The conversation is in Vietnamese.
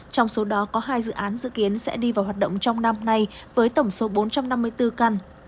trong số đó có hai dự án dự kiến sẽ đi vào hoạt động trong năm nay với tổng số bốn trăm năm mươi bốn căn